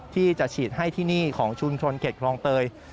ที่จะฉีดให้ที่นี่ของชุมชนเขตคลองเตย